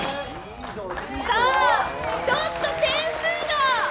ちょっと点数が。